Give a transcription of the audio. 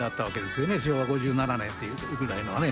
昭和５７年っていうぐらいのはね。